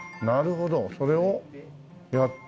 それをやって。